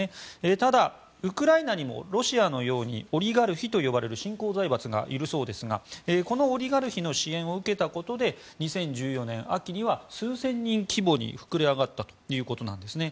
ただ、ウクライナにもロシアのようにオリガルヒと呼ばれる新興財閥がいるそうですがこのオリガルヒの支援を受けたことで２０１４年秋には数千人規模に膨れ上がったということです。